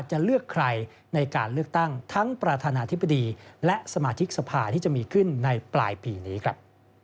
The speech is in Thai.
จะเลือกใครในการเลือกตั้งทั้งประธานาธิบดีและสมาชิกสภาที่จะมีขึ้นในปลายปีนี้ครับ